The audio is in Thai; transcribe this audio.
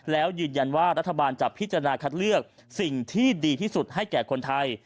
แล้วยืนยันว่ารัฐบาลจะพิจารณาคัดเลือกสิ่งที่ดีที่สุดให้แก่คนไทย